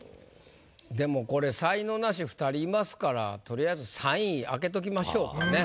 でもこれ才能ナシ２人いますからとりあえず３位開けときましょうかね。